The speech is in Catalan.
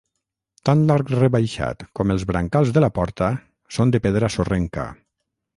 Tant l'arc rebaixat com els brancals de la porta són de pedra sorrenca.